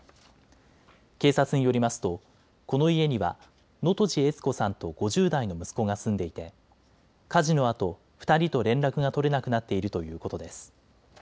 警察によりますとこの家には能登路悦子さんと５０代の息子が住んでいて火事のあと２人と連絡が取れなくなっているということです。